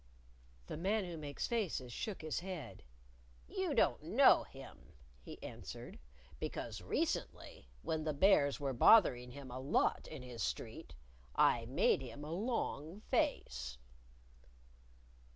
The Man Who Makes Faces shook his head. "You don't know him," he answered, "because recently, when the bears were bothering him a lot in his Street, I made him a long face."